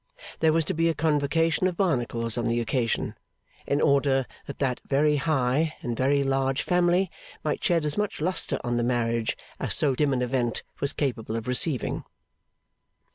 There was to be a convocation of Barnacles on the occasion, in order that that very high and very large family might shed as much lustre on the marriage as so dim an event was capable of receiving.